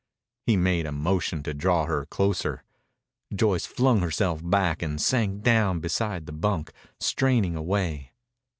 He made a motion to draw her closer. Joyce flung herself back and sank down beside the bunk, straining away.